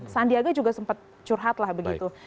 sandiaga juga sempat curhatlah begitu